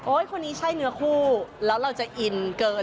คนนี้ใช่เนื้อคู่แล้วเราจะอินเกิน